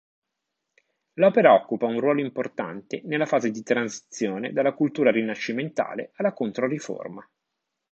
L'opera occupa un ruolo importante nella fase di transizione dalla cultura rinascimentale alla Controriforma.